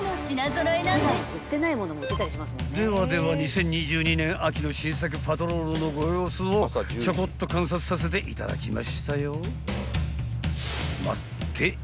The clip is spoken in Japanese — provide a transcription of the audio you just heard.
［ではでは２０２２年秋の新作パトロールのご様子をちょこっと観察させていただきましたよ］